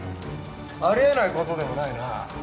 ありえないことでもないな。